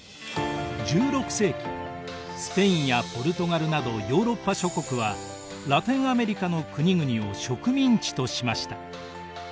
１６世紀スペインやポルトガルなどヨーロッパ諸国はラテンアメリカの国々を植民地としました。